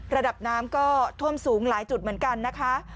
ระดับน้ำก็ท่วมสูงหลายจุดเหมือนกันนะคะ